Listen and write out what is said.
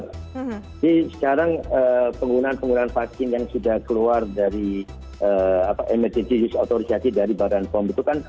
jadi sekarang penggunaan penggunaan vaksin yang sudah keluar dari mrt jiyus autoris hati dari badan pom itu kan